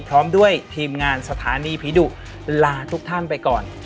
พร้อมด้วยทีมงานสถานีผีดุลาทุกท่านไปก่อน